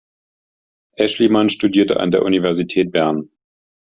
Aeschlimann studierte an der Universität Bern.